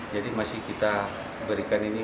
jadi masih kita berikan ini